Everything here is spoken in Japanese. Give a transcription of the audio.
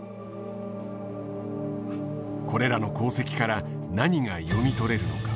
これらの航跡から何が読み取れるのか。